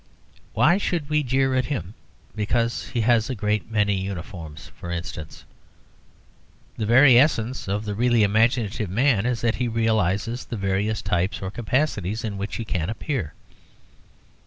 Why should we jeer at him because he has a great many uniforms, for instance? The very essence of the really imaginative man is that he realises the various types or capacities in which he can appear.